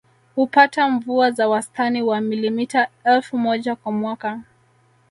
Hupata mvua za wastani wa milimita elfu moja kwa mwaka